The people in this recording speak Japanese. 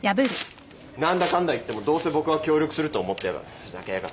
何だかんだいってもどうせ僕は協力すると思ってやがる。